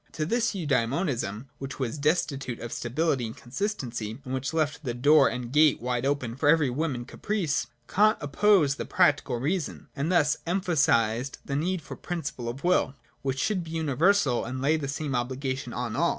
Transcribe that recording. To this Eudaemonism, which was desti tute of stability and consistency, and which left the ' door and gate ' wide open for every whim and caprice, Kant opposed the practical reason, and thus emphasised the need for a principle of will which should be universal and lay the same obligation on all.